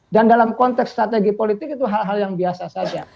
dan dalam konteks strategi politik itu hal hal yang biasa saja